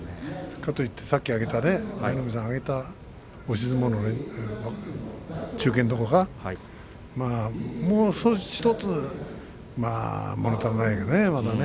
かといってさっき挙げた舞の海さんが挙げた押し相撲の中堅どころかもう１つ、もの足りないよね。